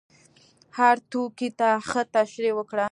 هر توکي ته ښه تشریح وکړه.